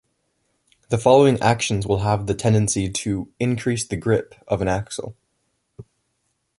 The following actions will have the tendency to "increase the grip" of an axle.